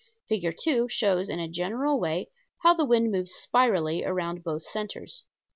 Fig. 2 shows in a general way how the wind moves spirally around both centers.